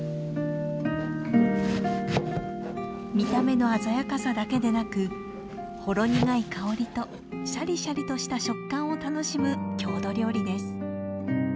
見た目の鮮やかさだけでなくほろ苦い香りとシャリシャリとした食感を楽しむ郷土料理です。